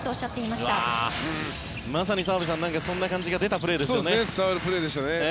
まさに澤部さんそんな感じが伝わるプレーでしたね。